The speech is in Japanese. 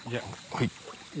はい。